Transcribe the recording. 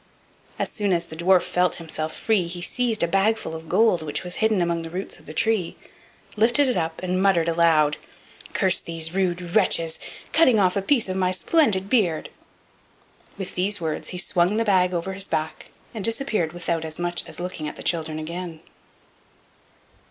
As soon as the dwarf felt himself free he seized a bag full of gold which was hidden among the roots of the tree, lifted it up, and muttered aloud: "Curse these rude wretches, cutting off a piece of my splendid beard!" With these words he swung the bag over his back, and disappeared without as much as looking at the children again.